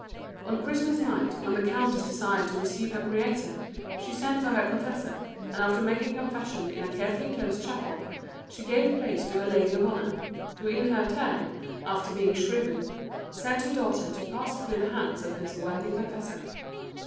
On Christmas night, when the Countess desired to receive her Creator, she sent for her confessor, and after making confession in a carefully closed chapel, she gave place to her lady of honour, who in her turn, after being shriven, sent her daughter to pass through the hands of this worthy confessor.